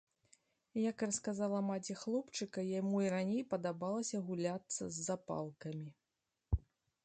Як расказала маці хлопчыка, яму і раней падабалася гуляцца з запалкамі.